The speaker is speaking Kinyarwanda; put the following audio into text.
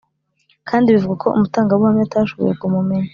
Kandi bivugwa ko umutangabuhamya atashoboye kumumenya.